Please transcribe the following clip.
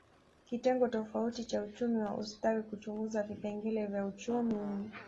Kitengo tofauti cha uchumi wa ustawi huchunguza vipengele vya uchumi